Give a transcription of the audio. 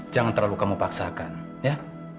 jangan terlalu kamu paksakan ya